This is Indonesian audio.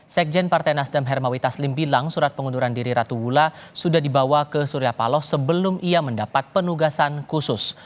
sekjen partai nasdem hermawi taslim bilang surat pengunduran diri ratu bula sudah dibawa ke surya paloh sebelum ia mendapat penugasan khusus